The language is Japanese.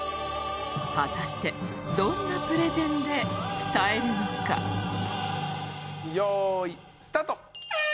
果たしてどんなプレゼンで伝えるのかよいスタート。